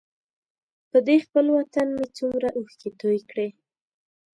په دې خپل وطن مې څومره اوښکې توی کړې.